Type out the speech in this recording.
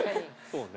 そうね。